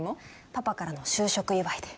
パパからの就職祝いで。